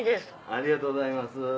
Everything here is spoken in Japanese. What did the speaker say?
ありがとうございます。